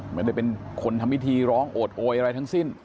ไม่ได้เป็นคนทำพิธีร้องโอดโอยอะไรทั้งสิ้น